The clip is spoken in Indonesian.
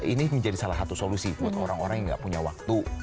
ini menjadi salah satu solusi buat orang orang yang gak punya waktu